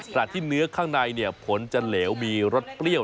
ที่เนื้อข้างในผลจะเหลวมีรสเปรี้ยว